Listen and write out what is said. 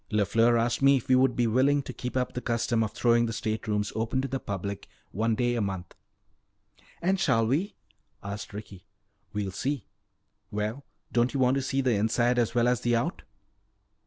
LeFleur asked me if we would be willing to keep up the custom of throwing the state rooms open to the public one day a month." "And shall we?" asked Ricky. "We'll see. Well, don't you want to see the inside as well as the out?"